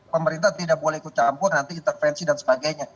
pemerintah tidak boleh ikut campur nanti intervensi dan sebagainya